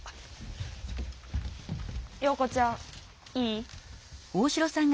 桜子ちゃんいい？